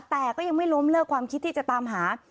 แต่ก็ยังไม่ล้มเลิกความคิดที่จะตามหา